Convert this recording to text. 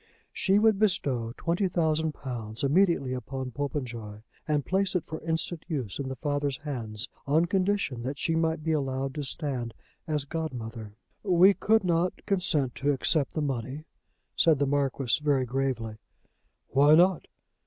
She would bestow twenty thousand pounds immediately upon Popenjoy, and place it for instant use in the father's hands, on condition that she might be allowed to stand as godmother! "We could not consent to accept the money," said the Marquis very gravely. "Why not?